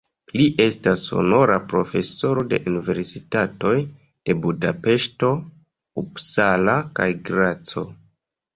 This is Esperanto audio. Li estas honora profesoro de universitatoj de Budapeŝto, Uppsala kaj Graco.